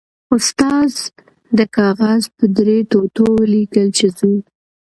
استاد د کاغذ په درې ټوټو ولیکل چې ځو.